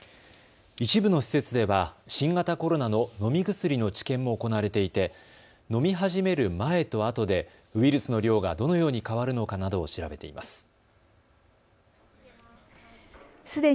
一部の施設では新型コロナの飲み薬の治験も行われていて飲み始める前とあとでウイルスの量がどのように変わるのかなどを調べています。